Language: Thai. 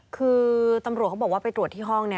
คือตำรวจเขาบอกว่าไปตรวจที่ห้อง